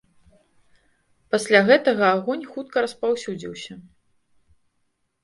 Пасля гэтага агонь хутка распаўсюдзіўся.